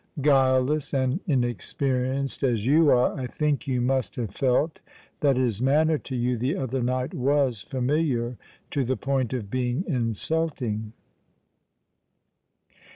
Guileless and inexperienced as you are, I think you must have felt that his manner to you the other night was familiar to the point of being insulting."